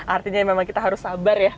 artinya memang kita harus sabar ya